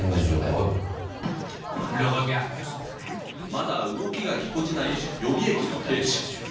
まだ動きがぎこちない予備役の兵士。